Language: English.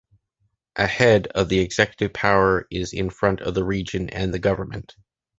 A head of the executive power is in front of the region and the government.